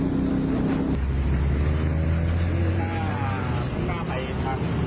ครับผมมาจาก